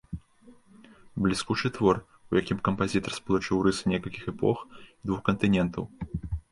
Бліскучы твор, у якім кампазітар спалучыў рысы некалькіх эпох і двух кантынентаў.